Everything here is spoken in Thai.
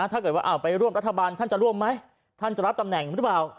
ถ้าเกิดว่าไปร่วมรัฐบาลท่านจะร่วมไหมท่านจะรับตำแหน่งหรือเปล่า